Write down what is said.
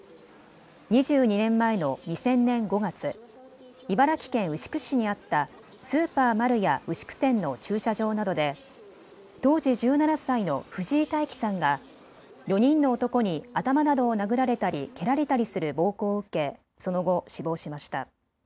２２年前の２０００年５月、茨城県牛久市にあったスーパーマルヤ牛久店の駐車場などで当時１７歳の藤井大樹さんが４人の男に頭などを殴られたり蹴られたりする暴行を受けその後、死亡しました。